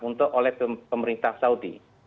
untuk oleh pemerintah saudi